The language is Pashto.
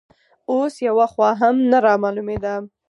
اوس یوه خوا هم نه رامالومېده